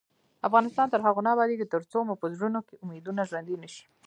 افغانستان تر هغو نه ابادیږي، ترڅو مو په زړونو کې امیدونه ژوندۍ نشي.